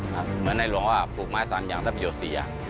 เหมือนในหลวงว่าปลูกไม้๓อย่างได้ประโยชน์เสีย